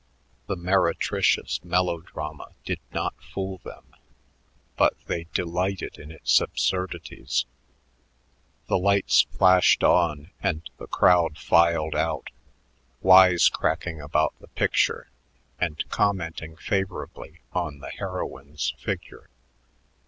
The meretricious melodrama did not fool them, but they delighted in its absurdities. The lights flashed on and the crowd filed out, "wise cracking" about the picture and commenting favorably on the heroine's figure.